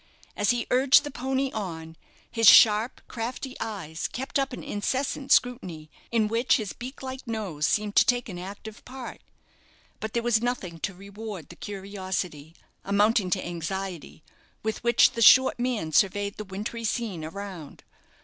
As he urged the pony on, his sharp, crafty eyes kept up an incessant scrutiny, in which his beak like nose seemed to take an active part. But there was nothing to reward the curiosity, amounting to anxiety, with which the short man surveyed the wintry scene around.